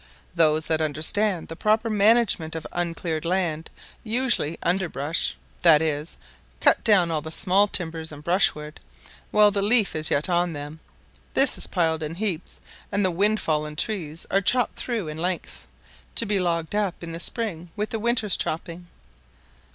Those that understand the proper management of uncleared land, usually underbrush (that is, cut down all the small timbers and brushwood), while the leaf is yet on them; this is piled in heaps, and the windfallen trees are chopped through in lengths, to be logged up in the spring with the winter's chopping.